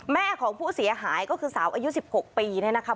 แม่ของผู้เสียหายก็คือสาวอายุ๑๖ปีเนี่ยนะคะ